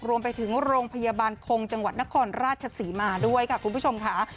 รวมไปถึงโรงพยาบาลคงจังหวัดนครราชศรีมาด้วยค่ะคุณผู้ชมค่ะ